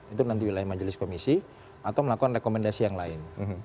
itu nanti wilayah majelis komisi atau melakukan rekomendasi yang lain